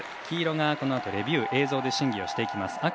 黄色がこのあとレビュー映像で審議をしていきます。